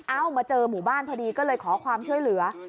มาเจอหมู่บ้านพอดีก็เลยขอความช่วยเหลือ